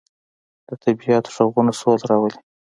د طبیعت غږونه سوله راولي.